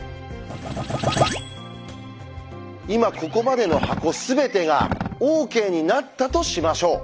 今ここまでの箱全てがＯＫになったとしましょう。